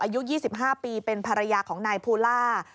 อายุ๒๕ปีเป็นภรรยาของนายภูล่า